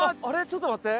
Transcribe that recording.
ちょっと待って！